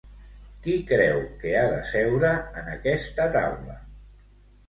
Qui creu que ha de seure en aquesta taula?